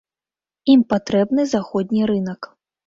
Ім патрэбны заходні рынак.